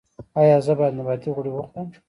ایا زه باید د نباتي غوړي وخورم؟